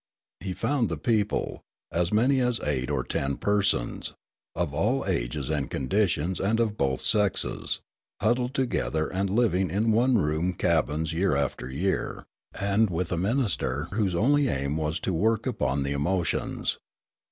He found the people, as many as eight or ten persons, of all ages and conditions and of both sexes, huddled together and living in one room cabins year after year, and with a minister whose only aim was to work upon the emotions.